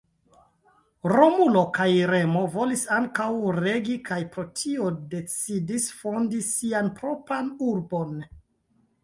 Romulo kaj Remo volis ankaŭ regi kaj pro tio decidis fondi sian propran urbon.